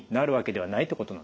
はい。